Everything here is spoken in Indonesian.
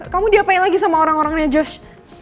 kamu diapain lagi sama orang orangnya george